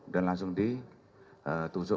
dan langsung ditusuk